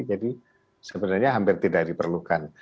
jadi sebenarnya hampir tidak diperlukan